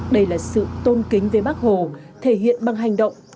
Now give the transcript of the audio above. đây là sự tôn kính với bác hồ thể hiện bằng hành động